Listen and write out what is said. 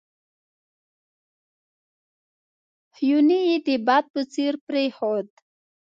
هیوني یې د باد په څېر پرېښود.